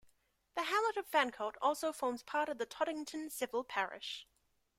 The hamlet of Fancott also forms part of the Toddington civil parish.